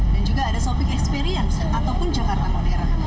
dan juga ada shopping experience ataupun jakarta modern